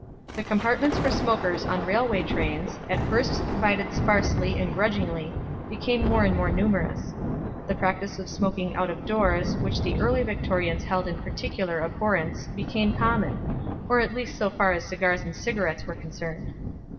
The compartments for smokers on railway trains, at first provided sparsely and grudgingly, became more and more numerous. The practice of smoking out of doors, which the early Victorians held in particular abhorrence, became common at least so far as cigars and cigarettes were concerned.